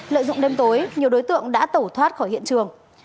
lợi dụng đêm tối nhiều đối tượng đã tẩu thoát khỏi hiện trường